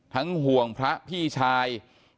ห่วงพระพี่ชาย